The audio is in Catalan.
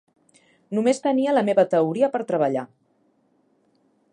Només tenia la meva teoria per treballar.